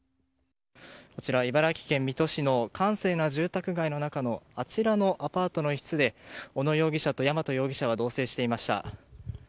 こちら茨城県水戸市の閑静な住宅街の中のあちらのアパートの一室で小野容疑者と山戸容疑者は同棲していました。